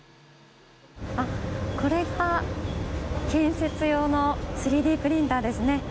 これが建設用の３Ｄプリンターですね。